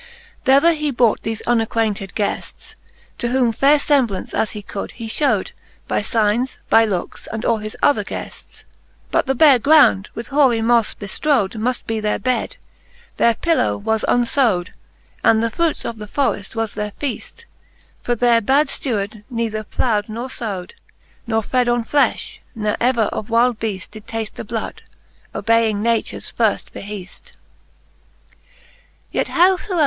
XIV. Thether he brought thefe unacquainted guefls,. To whom faire iemblance, as he could, he fhewed By fignes, by lookes, and all his other gefirs. But the bare ground, with hoarie mofle beftrowed^ Muft be their bed, their pillow was unfowed, ^ And the frutes of the forreft was their feaft: For their bad ftuard neither plough'd nor fowed^ Ne fed on flefh, ne ever of wyld beaft Did taft the bloud, obaying natures firft beheaft^ XV. Yet; z6z The fisth Booke of Cant. IV.